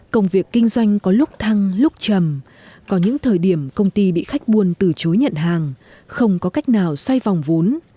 công việc kinh doanh có lúc thăng lúc chầm có những thời điểm công ty bị khách buôn từ chối nhận hàng không có cách nào xoay vòng vốn